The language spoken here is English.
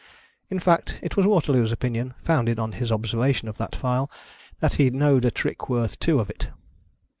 In fact, it was Waterloo's opinion, founded on his observation of that file, that he know'd a trick worth two of it.